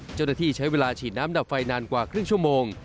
เจ้าหน้าที่ใช้เวลาฉีดน้ำดับไฟนานกว่าครึ่งชั่วโมง